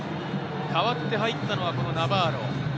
代わって入ったのはナバーロ。